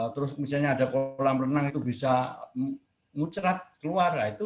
terus misalnya ada kolam renang itu bisa ngucerat keluar